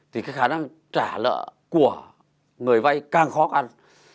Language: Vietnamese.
thì khả năng trả lợi của người vay càng khó càng